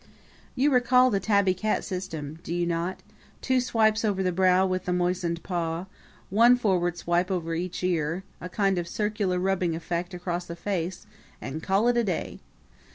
You recall the tabby cat system, do you not? two swipes over the brow with the moistened paw, one forward swipe over each ear, a kind of circular rubbing effect across the face and call it a day!